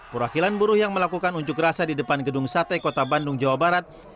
perwakilan buruh yang melakukan unjuk rasa di depan gedung sate kota bandung jawa barat